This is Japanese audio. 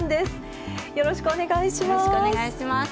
よろしくお願いします。